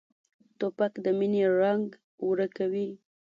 توپک د مینې رنګ ورکوي.